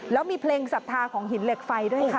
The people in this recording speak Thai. แล้วมีเพลงศรัทธาของหินเหล็กไฟด้วยค่ะ